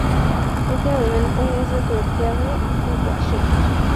Ultimate es desbloqueable Junto a Sheik.